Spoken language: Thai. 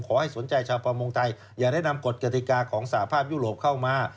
ขอให้สนใจชาวประมงไทยอย่าได้นำกฎกติกาของสหภาพยุโรปเข้ามา